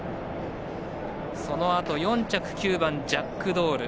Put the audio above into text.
そのあと４着９番、ジャックドール。